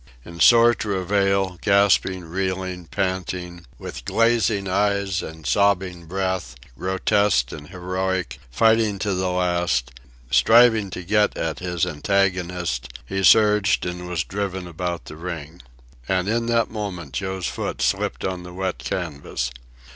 In sore travail, gasping, reeling, panting, with glazing eyes and sobbing breath, grotesque and heroic, fighting to the last, striving to get at his antagonist, he surged and was driven about the ring. And in that moment Joe's foot slipped on the wet canvas.